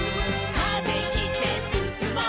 「風切ってすすもう」